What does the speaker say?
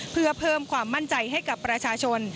เพื่อเพิ่มความมั่นใจให้กับประชาชน